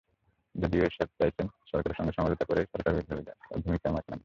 যদিও এরশাদও চাইছেন, সরকারের সঙ্গে সমঝোতা করেই সরকারবিরোধী ভূমিকায় মাঠে নামতে।